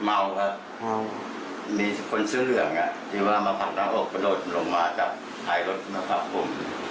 เมาครับมีคนเสื้อเหลืองที่ว่ามาผลักหน้าอกกระโดดลงมาจากท้ายรถมาผลักผม